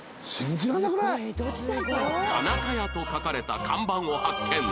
田中屋と書かれた看板を発見